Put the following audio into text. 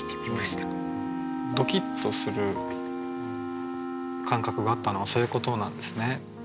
ドキッとする感覚があったのはそういうことなんですね。